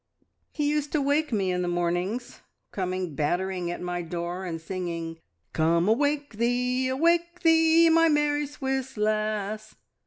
"He used to wake me in the mornings coming battering at my door, and singing, `Come awake thee, awake thee, my merry Swiss lass!'